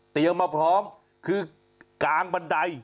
แต่ยังมาพร้อมคือกางบันได